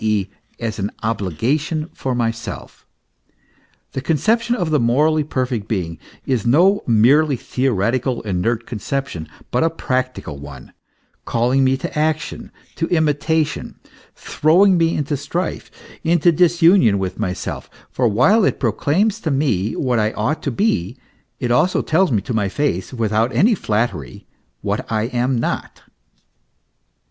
e., as an obligation for myself. The conception of the morally perfect being, is no merely theoretical, inert conception, but a practical one, calling me to action, to imita tion, throwing me into strife, into disunion with myself; for while it proclaims to me what I ought to be, it also tells me to my face, without any flattery, what I am not.